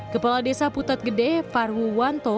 kepala desa putat gede farwu wanto